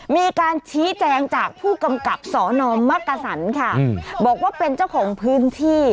มีการชี้แจงจากผู้กำกับสนมักกษันค่ะบอกว่าเป็นเจ้าของพื้นที่